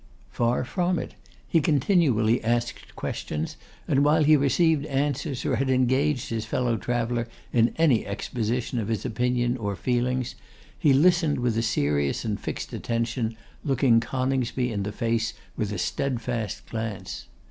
Far from it; he continually asked questions, and while he received answers, or had engaged his fellow traveller in any exposition of his opinion or feelings, he listened with a serious and fixed attention, looking Coningsby in the face with a steadfast glance.